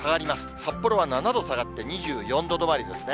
札幌は７度下がって２４度止まりですね。